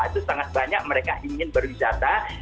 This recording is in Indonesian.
itu sangat banyak mereka ingin berwisata